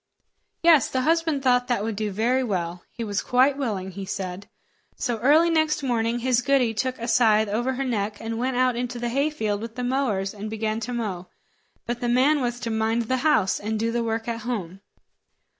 Yes, the husband thought that would do very well. He was quite willing, he said. So early next morning his goody took a scythe over her neck, and went out into the hayfield with the mowers and began to mow; but the man was to mind the house, and do the work at home.